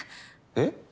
えっ？